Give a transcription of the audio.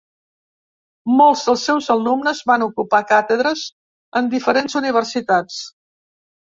Molts dels seus alumnes van ocupar càtedres en diferents universitats.